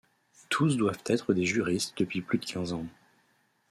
Tous doivent être des juristes depuis plus de quinze ans.